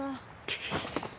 くっ！